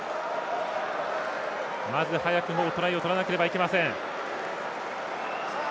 まず早くトライを取らなければなりません。